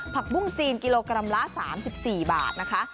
ปุ้งจีนกิโลกรัมละ๓๔บาทนะคะ